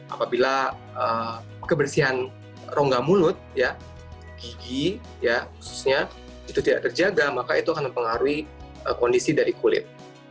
apabila kebersihan rongga mulut gigi khususnya itu tidak terjaga maka itu akan mempengaruhi kondisi dari kulit